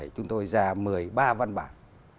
chúng tôi ra một mươi ba văn bản